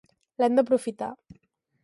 I l’hem d’aprofitar.